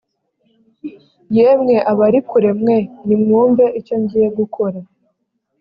yemwe abari kure mwe nimwumve icyo ngiye gukora